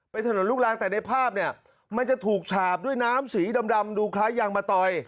เป็นถนนลูกรังแต่ในภาพเนี่ยมันจะถูกฉาบด้วยน้ำสีดำดูคล้ายยางมะตอย